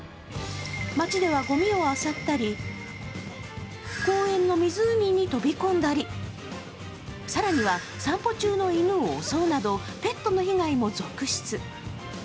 街ではごみをあさったり、公園の湖に飛び込んだり、更には散歩中の犬を襲うなどペットの被害も続出。